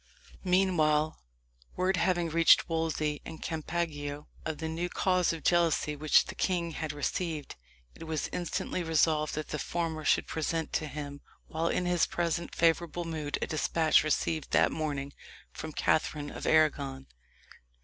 Meanwhile, word having reached Wolsey and Campeggio of the new cause of jealousy which the king had received, it was instantly resolved that the former should present to him, while in his present favourable mood, a despatch received that morning from Catherine of Arragon.